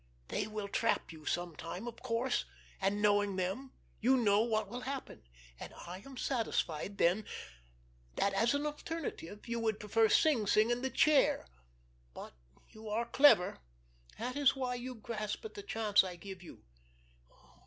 They will trap you sometime, of course, and, knowing them, you know what will happen, and I am satisfied then that, as an alternative, you would prefer Sing Sing and the chair; but you are clever—that is why you grasp at the chance I give you.